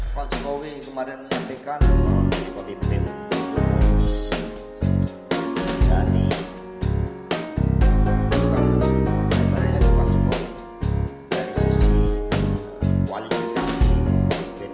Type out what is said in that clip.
pancokowi kemarin menyampaikan